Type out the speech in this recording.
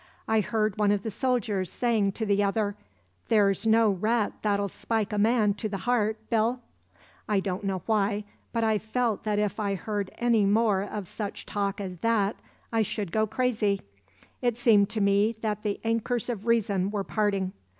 I heard one of the soldiers saying to the other: 'There's no rat that'll spike a man to the heart, Bill.' I don't know why, but I felt that if I heard any more of such talk as that I should go crazy; it seemed to me that the anchors of reason were parting.